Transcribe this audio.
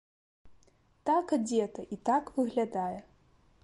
Так адзета і так выглядае!